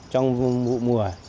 trong vụ mùa